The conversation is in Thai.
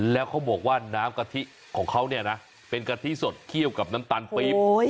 และเขาบอกว่าน้ำกะทิของเขานี่มีน้ำกะทิสดขึ้นเสียกับน้ำตาลปรีบ